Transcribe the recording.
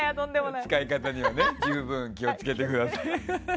使い方には十分気を付けてください。